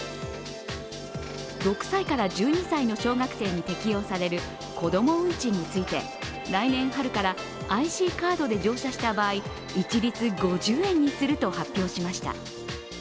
６歳から１２歳の小学生に適用されるこども運賃について、来年春からＩＣカードで乗車した場合、一律５０円にすると発表しました。